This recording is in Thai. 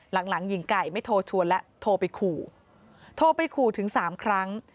หลังหญิงไก่ไม่โทรชวนแล้วโทรไปขู่โทรไปขู่ถึงสามครั้ง